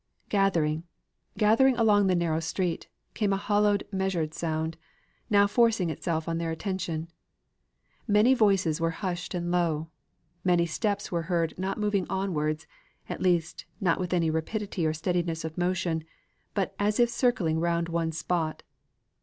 Gathering, gathering along the narrow street, came a hollow, measured sound; now forcing itself on their attention. Many voices were hushed and low: many steps were heard, not moving onwards, at least not with any rapidity or steadiness of motion, but as if circling round one spot.